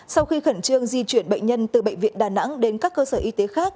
sau khi khẩn trương di chuyển bệnh nhân từ bệnh viện đà nẵng đến các cơ sở y tế khác